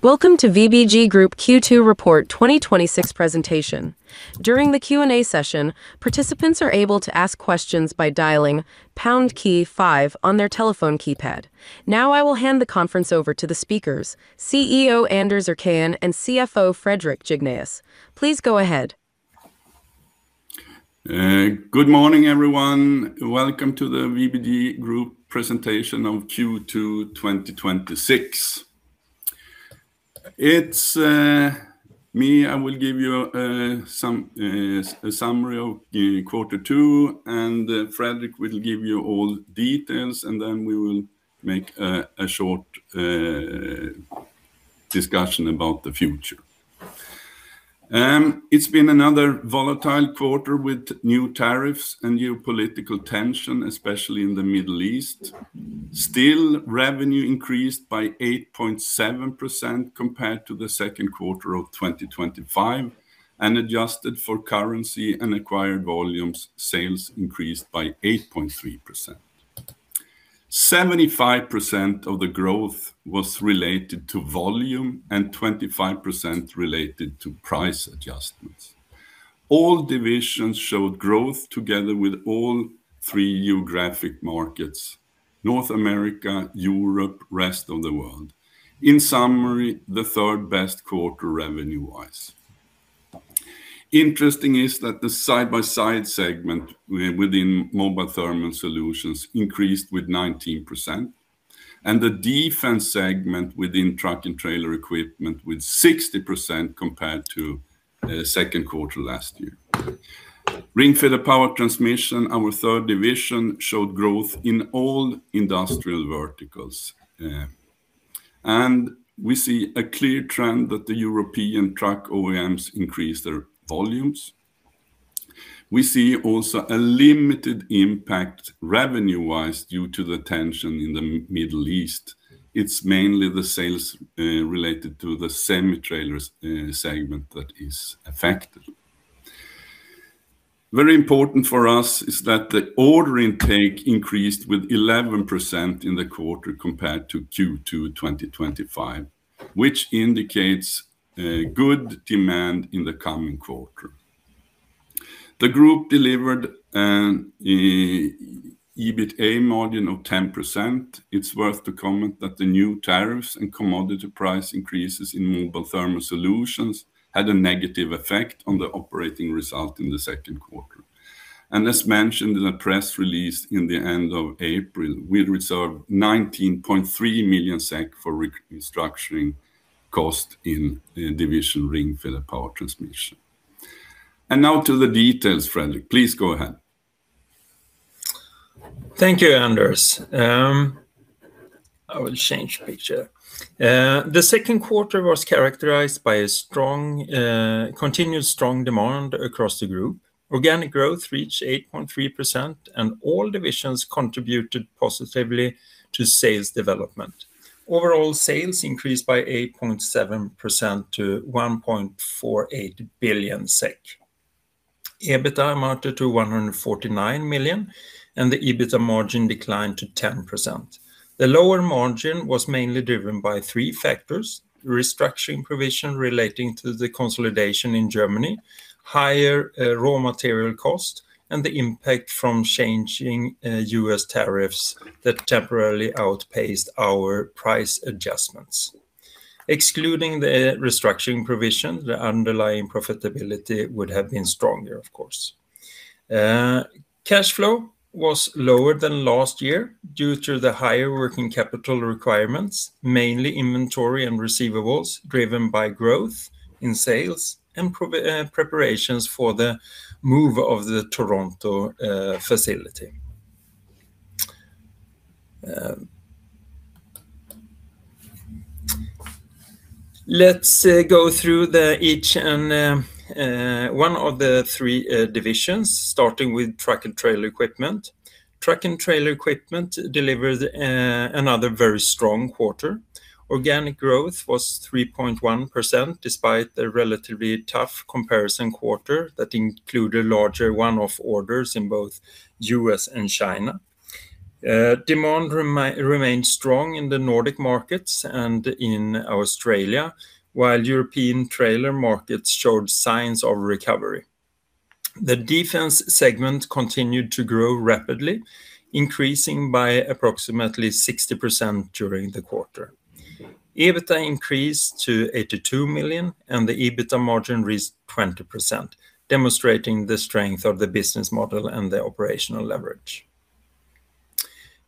Welcome to the VBG Group Q2 Report 2026 presentation. During the Q&A session, participants are able to ask questions by dialing pound key five on their telephone keypad. I will hand the conference over to the speakers, CEO Anders Erkén and CFO Fredrik Jignéus. Please go ahead. Good morning, everyone. Welcome to the VBG Group presentation of Q2 2026. It's me, I will give you a summary of quarter two. Fredrik will give you all the details. Then we will make a short discussion about the future. It's been another volatile quarter with new tariffs and new political tension, especially in the Middle East. Revenue increased by 8.7% compared to the second quarter of 2025. Adjusted for currency and acquired volumes, sales increased by 8.3%. 75% of the growth was related to volume, and 25% was related to price adjustments. All divisions showed growth together with all three geographic markets, North America, Europe, rest of the world. In summary, the third-best quarter revenue-wise. Interesting is that the side-by-side segment within Mobile Thermal Solutions increased with 19%. The defense segment within Truck & Trailer Equipment with 60% compared to the second quarter last year. Ringfeder Power Transmission, our third division, showed growth in all industrial verticals. We see a clear trend that the European truck OEMs increased their volumes. We also see a limited impact revenue-wise due to the tension in the Middle East. It's mainly the sales related to the semi-trailers segment that is affected. Very important for us is that the order intake increased with 11% in the quarter compared to Q2 2025, which indicates good demand in the coming quarter. The group delivered an EBITA margin of 10%. It's worth to comment that the new tariffs and commodity price increases in Mobile Thermal Solutions had a negative effect on the operating result in the second quarter. As mentioned in a press release in the end of April, we reserved 19.3 million SEK for restructuring costs in the division Ringfeder Power Transmission. Now to the details, Fredrik, please go ahead. Thank you, Anders. I will change the picture. The second quarter was characterized by a continued strong demand across the group. Organic growth reached 8.3%, and all divisions contributed positively to sales development. Overall sales increased by 8.7% to 1.48 billion SEK. EBITA amounted to 149 million, and the EBITA margin declined to 10%. The lower margin was mainly driven by three factors: restructuring provision relating to the consolidation in Germany, higher raw material costs, and the impact from changing U.S. tariffs that temporarily outpaced our price adjustments. Excluding the restructuring provision, the underlying profitability would have been stronger, of course. Cash flow was lower than last year due to the higher working capital requirements, mainly inventory and receivables, driven by growth in sales and preparations for the move of the Toronto facility. Let's go through one of the three divisions, starting with Truck & Trailer Equipment. Truck & Trailer Equipment delivered another very strong quarter. Organic growth was 3.1%, despite a relatively tough comparison quarter that included larger one-off orders in both U.S. and China. Demand remained strong in the Nordic markets and in Australia, while European trailer markets showed signs of recovery. The defense segment continued to grow rapidly, increasing by approximately 60% during the quarter. EBITA increased to 82 million, and the EBITA margin reached 20%, demonstrating the strength of the business model and the operational leverage.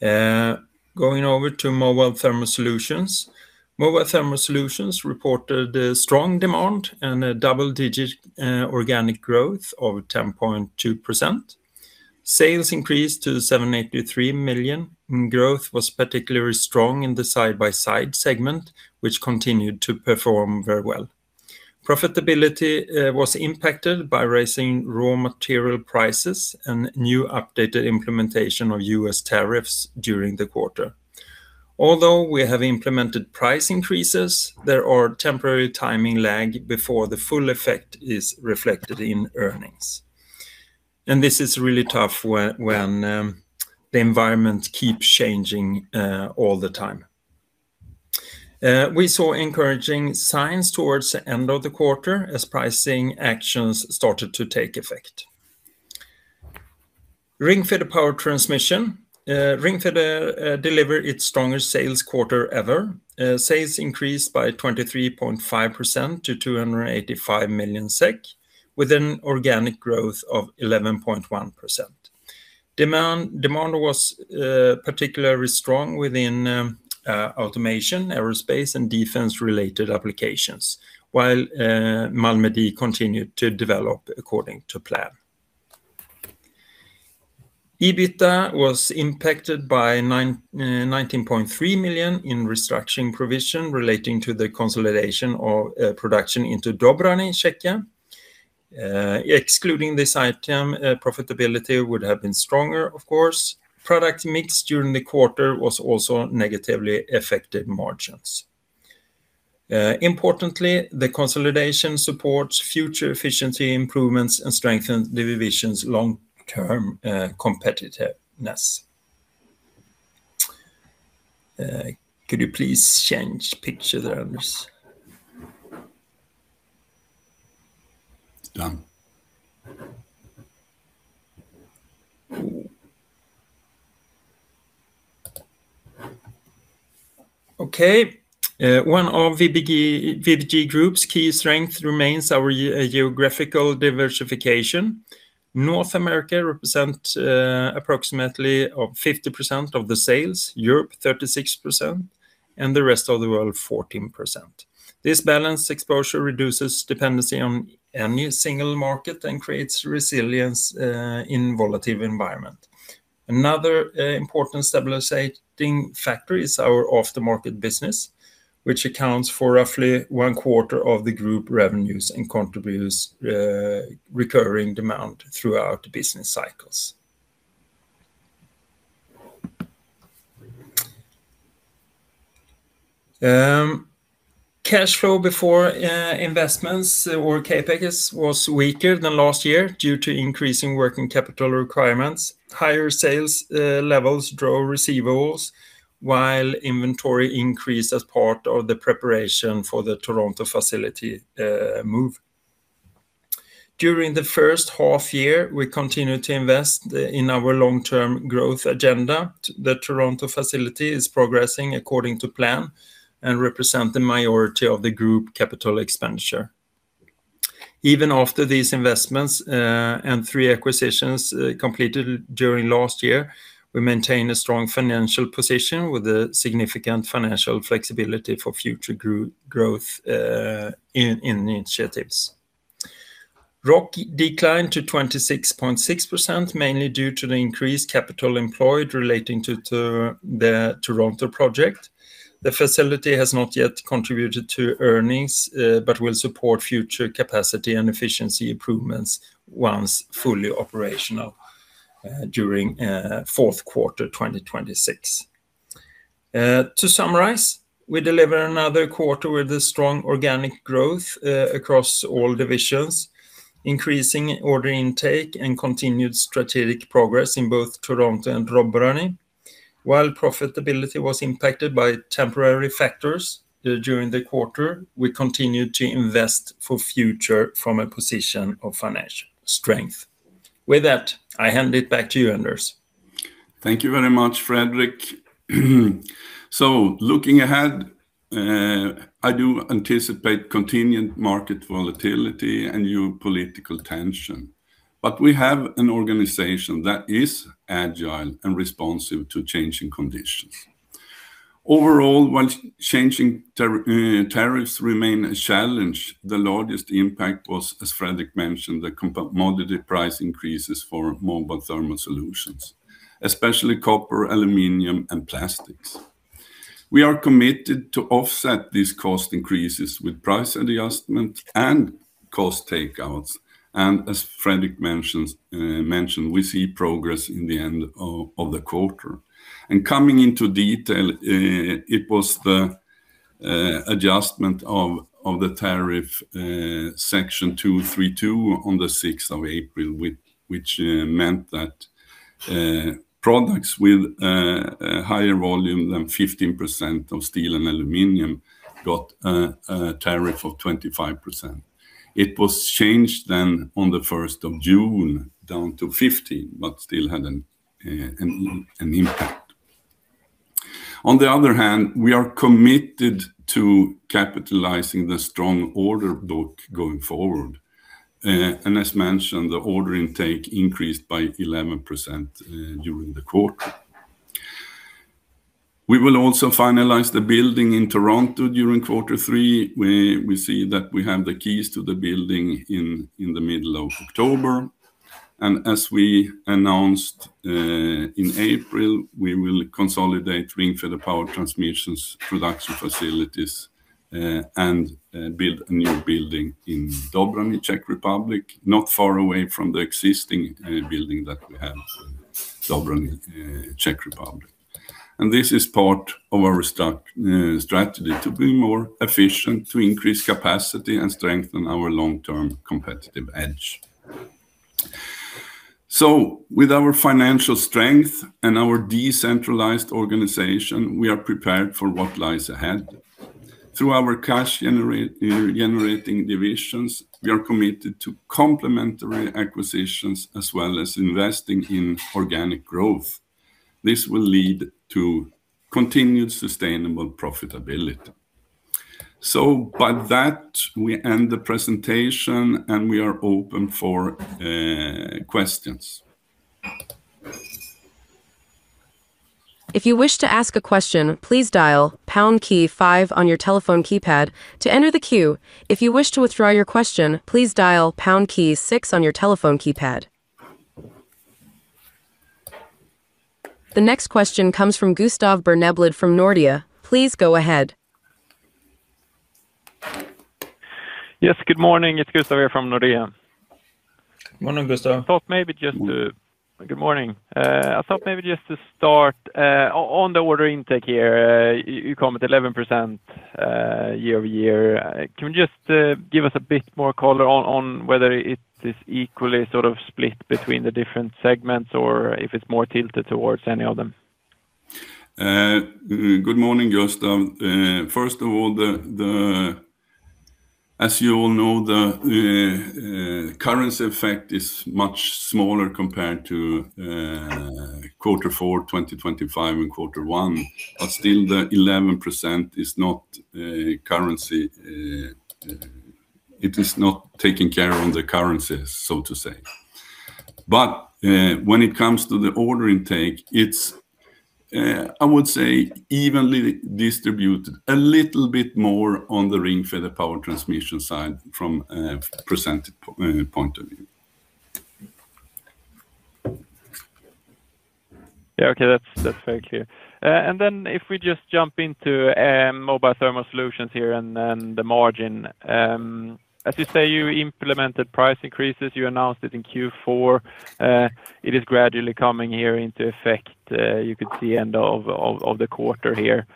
Going over to Mobile Thermal Solutions. Mobile Thermal Solutions reported strong demand and a double-digit organic growth of 10.2%. Sales increased to 783 million, and growth was particularly strong in the side-by-side segment, which continued to perform very well. Profitability was impacted by rising raw material prices and the new updated implementation of U.S. tariffs during the quarter. We have implemented price increases, there are temporary timing lag before the full effect is reflected in earnings. This is really tough when the environment keeps changing all the time. We saw encouraging signs towards the end of the quarter as pricing actions started to take effect. Ringfeder Power Transmission. Ringfeder delivered its strongest sales quarter ever. Sales increased by 23.5% to 285 million SEK, with an organic growth of 11.1%. Demand was particularly strong within automation, aerospace, and defense-related applications, while Malmedie continued to develop according to plan. EBITA was impacted by 19.3 million in restructuring provision relating to the consolidation of production into Dobřany in Czechia. Excluding this item, profitability would have been stronger, of course. Product mix during the quarter also negatively affected margins. Importantly, the consolidation supports future efficiency improvements and strengthens the division's long-term competitiveness. Could you please change the picture, Anders? Done. Okay. One of VBG Group's key strengths remains our geographical diversification. North America represents approximately 50% of the sales, Europe 36%, and the rest of the world 14%. This balanced exposure reduces dependency on any single market and creates resilience in a volatile environment. Another important stabilizing factor is our after-market business, which accounts for roughly one quarter of the group revenues and contributes recurring demand throughout business cycles. Cash flow before investments or CapEx was weaker than last year due to increasing working capital requirements. Higher sales levels drove receivables, while inventory increased as part of the preparation for the Toronto facility move. During the first half-year, we continued to invest in our long-term growth agenda. The Toronto facility is progressing according to plan and represents the majority of the group's capital expenditure. Even after these investments and three acquisitions completed during the last year, we maintain a strong financial position with significant financial flexibility for future growth initiatives. ROIC declined to 26.6%, mainly due to the increased capital employed relating to the Toronto project. The facility has not yet contributed to earnings but will support future capacity and efficiency improvements once fully operational during the fourth quarter 2026. To summarize, we delivered another quarter with strong organic growth across all divisions, increasing order intake, and continued strategic progress in both Toronto and Dobřany. While profitability was impacted by temporary factors during the quarter, we continued to invest for the future from a position of financial strength. With that, I hand it back to you, Anders. Thank you very much, Fredrik. Looking ahead, I do anticipate continued market volatility and new political tension. We have an organization that is agile and responsive to changing conditions. Overall, while changing tariffs remains a challenge, the largest impact was, as Fredrik mentioned, the commodity price increases for Mobile Thermal Solutions, especially copper, aluminum, and plastics. We are committed to offsetting these cost increases with price adjustments and cost takeouts, and as Fredrik mentioned, we see progress in the end of the quarter. Coming into detail, it was the adjustment of the tariff, Section 232, on the 6th of April, which meant that products with a higher volume than 15% of steel and aluminum got a tariff of 25%. It was changed on the 1st of June down to 15%, but still had an impact. On the other hand, we are committed to capitalizing the strong order book going forward, and as mentioned, the order intake increased by 11% during the quarter. We will also finalize the building in Toronto during Q3, where we see that we have the keys to the building in the middle of October. As we announced in April, we will consolidate Ringfeder Power Transmission's production facilities and build a new building in Dobřany, Czech Republic, not far away from the existing building that we have. Dobřany, Czech Republic. This is part of our strategy to be more efficient, to increase capacity and strengthen our long-term competitive edge. With our financial strength and our decentralized organization, we are prepared for what lies ahead. Through our cash-generating divisions, we are committed to complementary acquisitions as well as investing in organic growth. This will lead to continued sustainable profitability. By that, we end the presentation, and we are open for questions. If you wish to ask a question, please dial pound key five on your telephone keypad to enter the queue. If you wish to withdraw your question, please dial pound key six on your telephone keypad. The next question comes from Gustav Berneblad from Nordea. Please go ahead. Good morning. It is Gustav here from Nordea. Morning, Gustav. Good morning. I thought maybe just to start, on the order intake here, you commented 11% year-over-year. Can you just give us a bit more color on whether it is equally split between the different segments, or if it is more tilted towards any of them? Good morning, Gustav. First of all, as you all know, the currency effect is much smaller compared to quarter four 2025 and quarter one, but still, the 11% is not currency. It is not taking care of the currencies, so to say. When it comes to the order intake, it's, I would say, evenly distributed, a little bit more on the Ringfeder Power Transmission side from a percentage point of view. Yeah, okay. That's very clear. If we just jump into Mobile Thermal Solutions here, and then the margin. As you say, you implemented price increases. You announced it in Q4. It is gradually coming here into effect. You could see the end of the quarter here.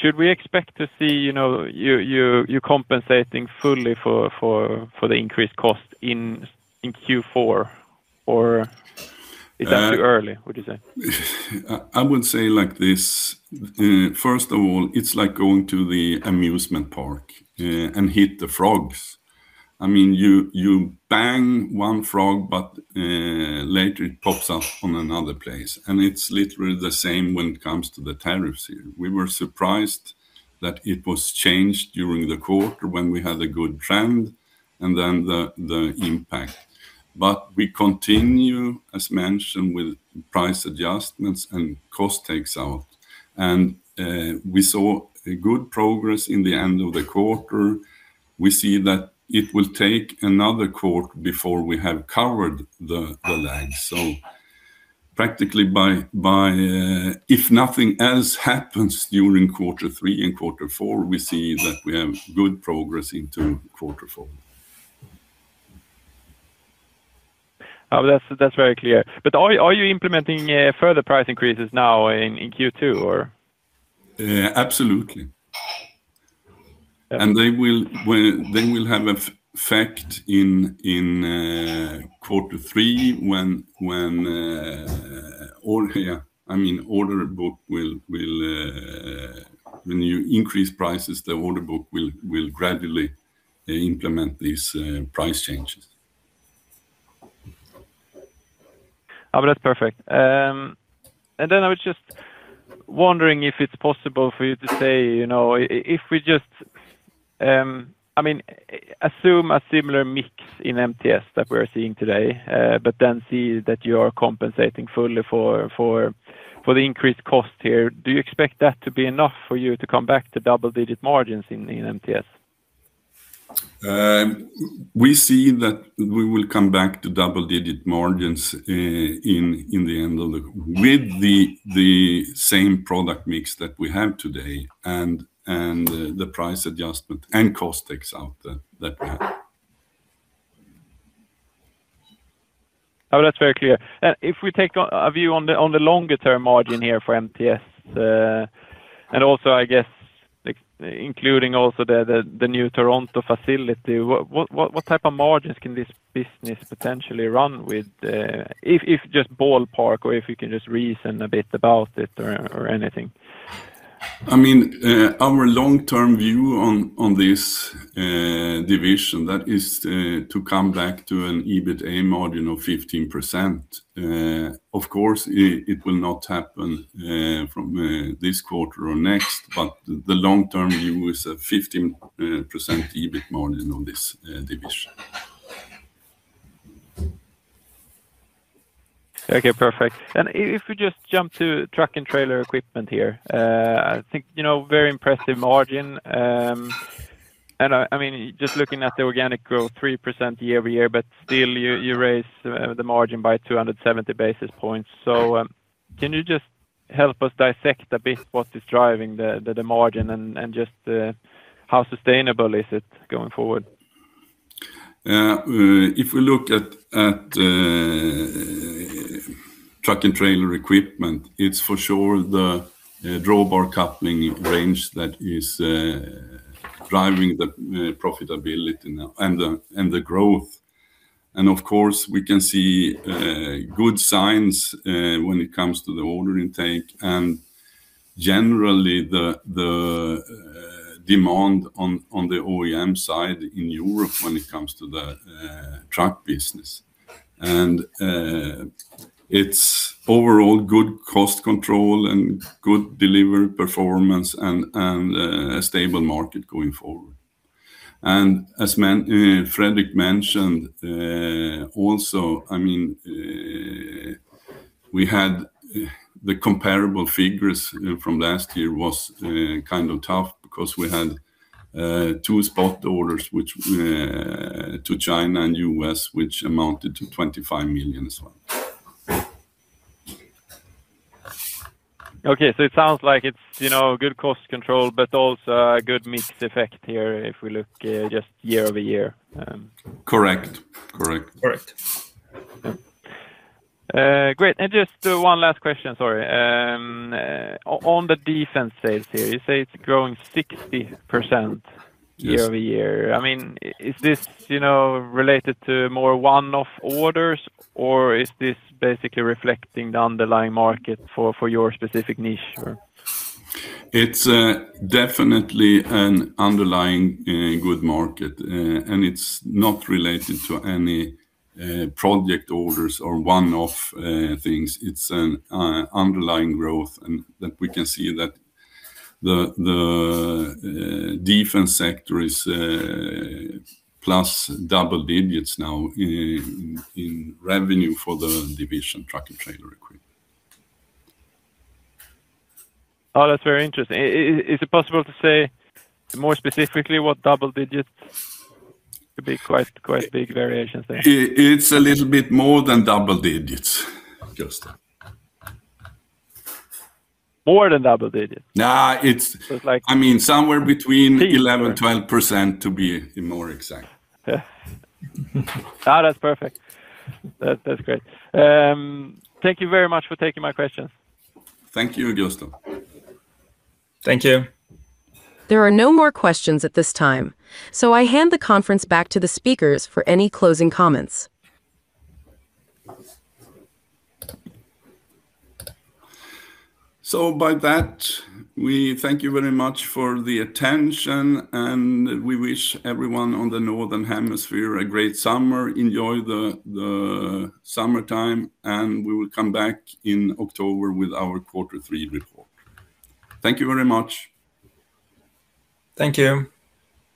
Should we expect to see you compensating fully for the increased cost in Q4, or is that too early, would you say? I would say it like this. First of all, it's like going to the amusement park, and hit the frogs. You bang one frog, but later it pops up on another place, and it's literally the same when it comes to the tariffs here. We were surprised that it was changed during the quarter when we had a good trend, and then the impact. We continue, as mentioned, with price adjustments and cost take-outs, and we saw good progress in the end of the quarter. We see that it will take another quarter before we have covered the lag. Practically, if nothing else happens during quarter three and quarter four, we see that we have good progress into quarter four. That's very clear. Are you implementing further price increases now in Q2, or? Absolutely. They will have an effect in quarter three when you increase prices, the order book will gradually implement these price changes. That's perfect. I was just wondering if it's possible for you to say, assuming a similar mix in Mobile Thermal Solutions that we're seeing today, but then see that you are compensating fully for the increased cost here. Do you expect that to be enough for you to come back to double-digit margins in Mobile Thermal Solutions? We see that we will come back to double-digit margins with the same product mix that we have today, and the price adjustment and cost take-outs that we have. That's very clear. If we take a view on the longer-term margin here for Mobile Thermal Solutions, and also, I guess, including also the new Toronto facility, what type of margins can this business potentially run with? If just ballpark or if you can just reason a bit about it or anything. Our long-term view on this division, that is to come back to an EBITA margin of 15%. Of course, it will not happen from this quarter or next, but the long-term view is a 15% EBITA margin on this division. Okay, perfect. If we just jump to Truck & Trailer Equipment here. I think very impressive margin. Just looking at the organic growth, 3% year-over-year, still you raise the margin by 270 basis points. Can you just help us dissect a bit what is driving the margin and just how sustainable is it going forward? If we look at Truck & Trailer Equipment, it's for sure the drawbar coupling range that is driving the profitability now and the growth. Of course, we can see good signs when it comes to the order intake and generally the demand on the OEM side in Europe when it comes to the truck business. It's overall good cost control, and good delivery performance, and a stable market going forward. As Fredrik mentioned, we also, had the comparable figures from last year was kind of tough because we had two spot orders to China and U.S., which amounted to 25 million. Okay, it sounds like it's good cost control, also a good mixed effect here if we look just year-over-year. Correct. Correct. Great. Just one last question, sorry. On the defense sales here, you say it's growing 60% year-over-year. Yes. Is this related to more one-off orders, or is this basically reflecting the underlying market for your specific niche? It's definitely an underlying good market, and it's not related to any project orders or one-off things. It's an underlying growth, and that we can see that the defense sector is plus double digits now in revenue for the division Truck & Trailer Equipment. Oh, that's very interesting. Is it possible to say more specifically what double digits? Could be quite a big variation there. It's a little bit more than double digits, Gustav. More than double digits? No, it's- It's like- Somewhere between 11%-12%, to be more exact. Yeah. Oh, that's perfect. That's great. Thank you very much for taking my questions. Thank you, Gustav. Thank you. There are no more questions at this time. I hand the conference back to the speakers for any closing comments. By that, we thank you very much for the attention. We wish everyone on the northern hemisphere a great summer. Enjoy the summertime, and we will come back in October with our quarter three report. Thank you very much. Thank you.